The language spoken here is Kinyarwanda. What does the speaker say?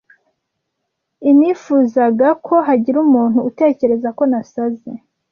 inifuzaga ko hagira umuntu utekereza ko nasaze.